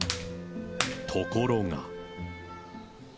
ところが。